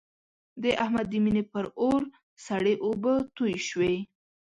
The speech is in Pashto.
د احمد د مینې پر اور سړې اوبه توی شوې.